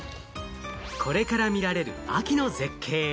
これからみられる秋の絶景。